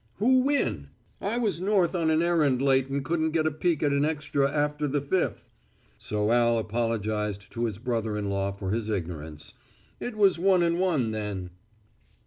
"Who win? I was north on an errand late and couldn't get a peek at an extra after the fifth." So Al apologized to his brother in law for his ignorance. "It was one and one then."